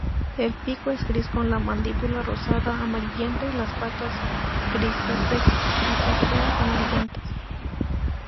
El pico es gris con la mandíbula rosada amarillenta y las patas grisáceas amarillentas.